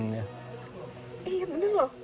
iya bener loh